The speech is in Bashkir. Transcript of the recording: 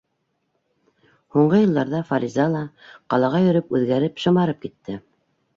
Һуңғы йылдарҙа Фариза ла, ҡалаға йөрөп, үҙгәреп, шымарып китте.